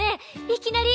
いきなり。